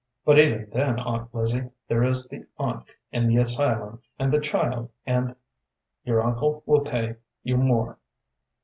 "But even then, Aunt Lizzie, there is the aunt in the asylum, and the child, and " "Your uncle will pay you more."